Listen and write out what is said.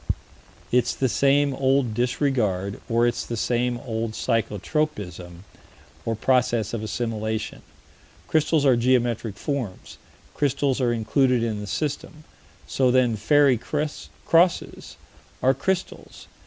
It's the same old disregard, or it's the same old psycho tropism, or process of assimilation. Crystals are geometric forms. Crystals are included in the System. So then "fairy crosses" are crystals.